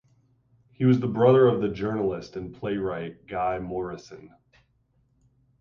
He was the brother of the journalist and playwright Guy Morrison.